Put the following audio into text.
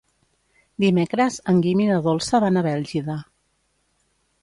Dimecres en Guim i na Dolça van a Bèlgida.